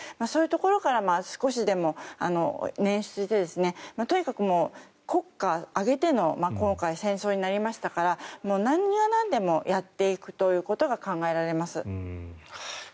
そういうところから少しでも捻出してとにかく国家を挙げての今回、戦争になりましたから何がなんでもやっていくということが考えられます。